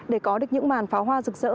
để có được những màn pháo hoa rực rỡ